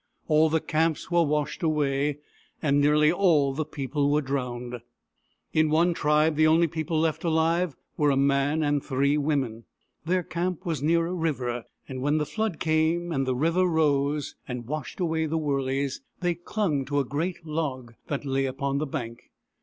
All the camps were washed away, and nearly all the people were drowned. In one tribe, the only people left alive were a man and three women. Their camp was near a river ; and when the flood came and the river rose and washed away the wurleys, they clung to a great log that lay upon the bank.